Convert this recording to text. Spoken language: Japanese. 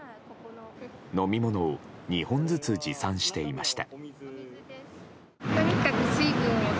飲み物を２本ずつ持参していました。